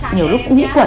nhiều lúc cũng nghĩ quẩn